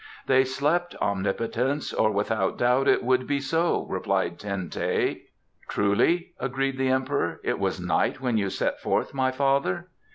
"They slept, omnipotence, or without doubt it would be so," replied Ten teh. "Truly," agreed the Emperor. "It was night when you set forth, my father?"